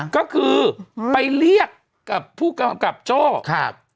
ก็คือไปเรียกกับผู้กำกับโจ้ครับ